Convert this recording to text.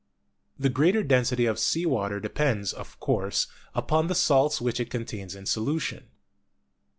The greater density of sea water depends, of course, upon the salts which it contains in solution.